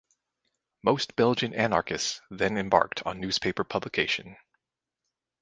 Most Belgian anarchists then embarked on newspaper publication.